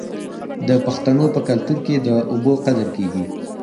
د پښتنو په کلتور کې د اوبو قدر کیږي.